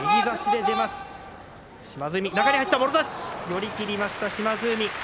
寄り切りました島津海。